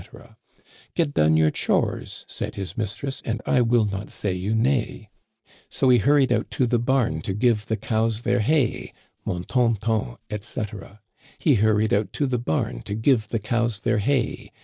Get done your chores,' said his mistress, * and I will not say you nay ': So he hurried out to the bam to give the cows their hay : Mon ton ton, etc. " He hurried out to the bam to give the cows their hay.